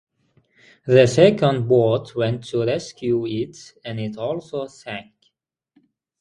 The second boat went to rescue it and it also sank.